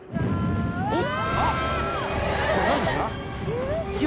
おっ！